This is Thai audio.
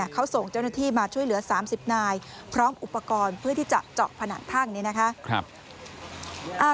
เขาส่งเจ้าหน้าที่มาช่วยเหลือ๓๐นายพร้อมอุปกรณ์เพื่อที่จะเจาะผนังทั่งนี้นะคะ